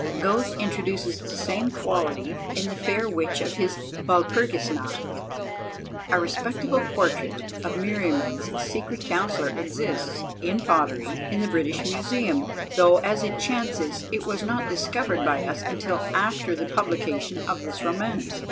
Goethe introduces the same quality in the fair witch of his Walpurgis Nacht. A respectable portrait of Meriamun's secret counsellor exists, in pottery, in the British Museum, though, as it chances, it was not discovered by us until after the publication of this romance.